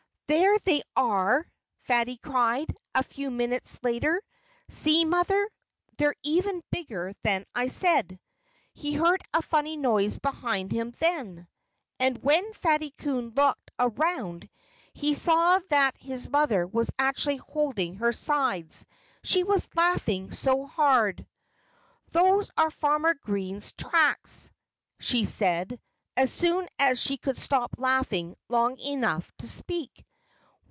"There they are!" Fatty cried, a few minutes later. "See, Mother! They're even bigger than I said." He heard a funny noise behind him, then. And when Fatty Coon looked around he saw that his mother was actually holding her sides, she was laughing so hard. "Those are Farmer Green's tracks," she said, as soon as she could stop laughing long enough to speak.